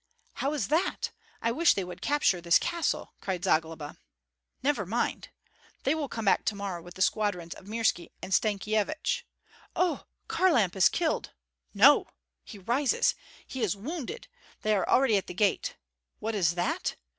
"How is that? I wish they would capture this castle!" cried Zagloba. "Never mind! They will come back to morrow with the squadrons of Mirski and Stankyevich Oh, Kharlamp is killed! No! He rises; he is wounded they are already at the gate. What is that?